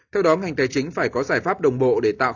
theo đó ngành tài chính phải có giải pháp đồng bộ để tạo